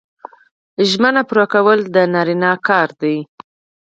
ژمنه پوره کول د نارینه کار دی